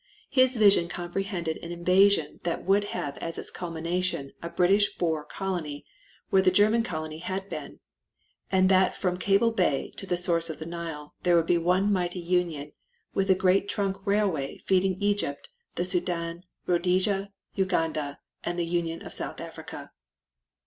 His vision comprehended an invasion that would have as its culmination a British Boer colony where the German colony had been, and that from Cable Bay to the source of the Nile there would be one mighty union, with a great trunk railway feeding Egypt, the Soudan, Rhodesia, Uganda, and the Union of South Africa.